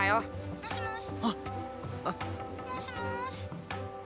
もしもし。